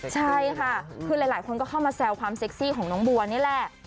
ใช่ค่ะคือหลายคนก็เข้ามาแซวความเซ็กซี่ของน้องบัวนี่แหละ